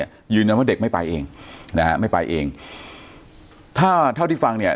ยืนว่าเด็กไม่ไปเองถ้าเท่าที่ฟังเนี่ย